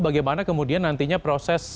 bagaimana kemudian nantinya proses